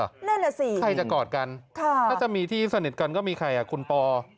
นั่นแหละสิใครจะกอดกันถ้าจะมีที่สนิทกันก็มีใครอ่ะคุณปอ